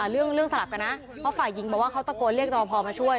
เรื่องสลับกันนะเพราะฝ่ายยิงบอกว่าเขาต้องกลัวเรียกเจ้าหน้าพอมาช่วย